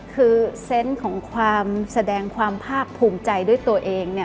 คือเซนต์ของความแสดงความภาคภูมิใจด้วยตัวเอง